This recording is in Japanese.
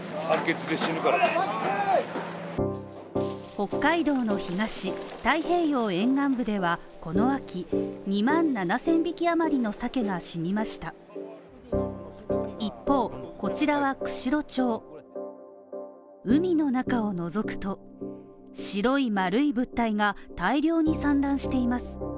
北海道の東、太平洋沿岸部では、この秋２万７０００匹余りの鮭が死にました一方、こちらは釧路町海の中をのぞくと、白い丸い物体が大量に散乱しています。